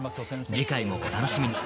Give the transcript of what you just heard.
次回もお楽しみに！